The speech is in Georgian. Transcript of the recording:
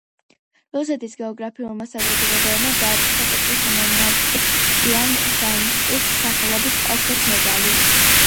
რუსეთის გეოგრაფიულმა საზოგადოებამ დააწესა პეტრე სემიონოვ-ტიან-შანსკის სახელობის ოქროს მედალი.